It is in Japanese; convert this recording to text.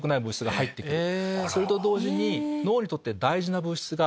それと同時に。